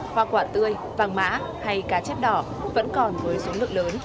hoa quả tươi vàng mã hay cá chép đỏ vẫn còn với số lượng lớn